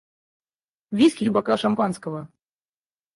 Виски - и бокал шампанского?